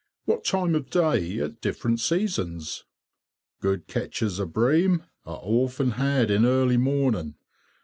What time of day at different seasons_? Good catches of bream are often had in early morning.